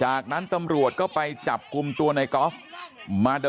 หยุดหยุด